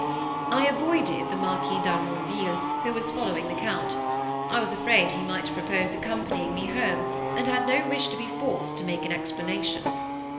I avoided the Marquis d'Harmonville, who was following the Count. I was afraid he might propose accompanying me home, and had no wish to be forced to make an explanation.